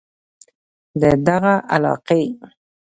د دغه علاقې